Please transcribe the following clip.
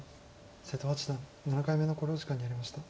瀬戸八段７回目の考慮時間に入りました。